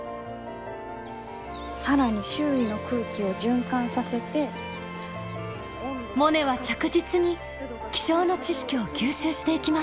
「更に周囲の空気の循環させて」。モネは着実に気象の知識を吸収していきます。